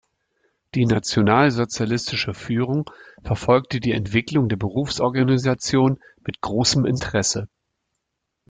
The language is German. Die nationalsozialistische Führung verfolgte die Entwicklung der Berufsorganisation mit großem Interesse.